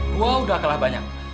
gua udah kalah banyak